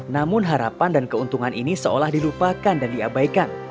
namun harapan dan keuntungan ini seolah dilupakan dan diabaikan